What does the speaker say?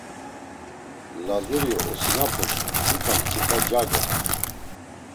Lazuri osinapus mtsika mtsika cagen.